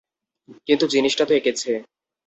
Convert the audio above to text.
কিন্তু জিনিসটা তো এঁকেছে।